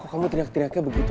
kamu teriak teriaknya begitu